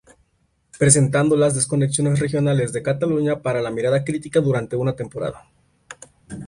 Presentando las desconexiones regionales de Cataluña para la Mirada Crítica durante una temporada.